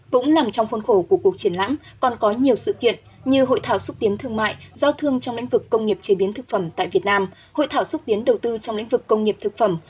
cũng nằm trong khuôn khổ của cuộc triển lãm còn có nhiều sự kiện như hội thảo xúc tiến thương mại giao thương trong lĩnh vực công nghiệp chế biến thực phẩm tại việt nam hội thảo xúc tiến đầu tư trong lĩnh vực công nghiệp thực phẩm